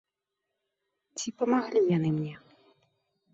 Ці памаглі яны мне?